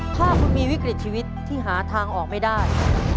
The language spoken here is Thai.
ถ้าคุณมีวิกฤตชีวิตที่หาทางออกไม่ได้